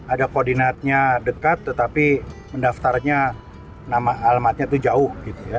ada koordinatnya dekat tetapi mendaftarnya nama alamatnya itu jauh